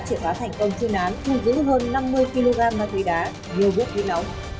trước đó lực lượng chức năng đã triển khóa thành công chư nán thung dữ hơn năm mươi kg ma túy đá nhiều bước đi nóng